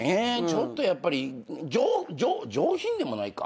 ちょっとやっぱり上品でもないか？